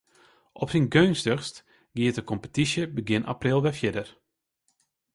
Op syn geunstichst giet de kompetysje begjin april wer fierder.